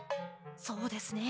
そうですね。